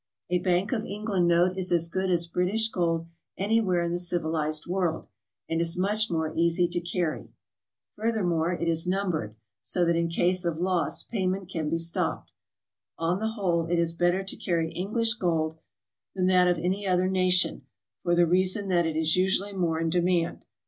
A Bank of England note is as good as British gold anywhere in the civilized world, and is much more easy to carry. Furthermore, it is numbered, so that in case of GOING ABROAD? 190 loss payment can be stopped. On the whole it is better to carry English gold than that of any other nation, for the reason that it is usually more in demand.